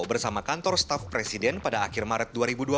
bersama kantor staff presiden pada akhir maret dua ribu dua puluh